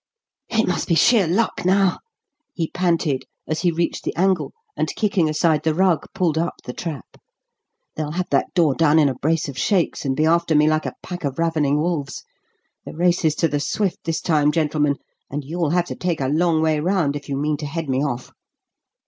"It must be sheer luck now!" he panted, as he reached the angle and, kicking aside the rug, pulled up the trap. "They'll have that door down in a brace of shakes, and be after me like a pack of ravening wolves. The race is to the swift this time, gentlemen, and you'll have to take a long way round if you mean to head me off."